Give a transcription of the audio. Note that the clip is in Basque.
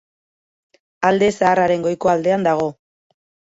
Alde Zaharraren goiko aldean dago.